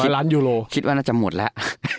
ล้านยูโรคิดว่าน่าจะหมดแล้ว